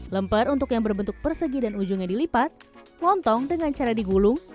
lemper untuk yang berbentuk persegi dan ujungnya dilipat lontong dengan cara digulung